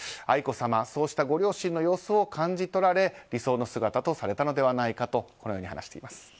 愛子さまはそうしたご両親の姿を感じとられ理想の姿とされたのではないかと話しています。